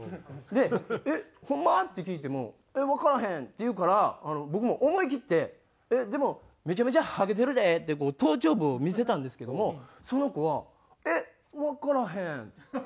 で「えっホンマ？」って聞いても「えっわからへん」って言うから僕も思い切って「でもめちゃめちゃハゲてるで」って頭頂部を見せたんですけどもその子は「えっわからへん」。